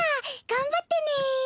頑張ってね。